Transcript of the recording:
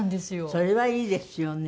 それはいいですよね。